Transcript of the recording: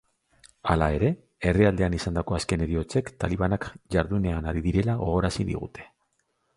Hala ere, herrialdean izandako azken heriotzek talibanak jardunean ari direla gogorarazi digute.